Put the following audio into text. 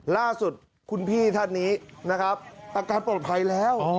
ล่าสุดคุณพี่ท่านนี้อาการโปรดภัยแล้ว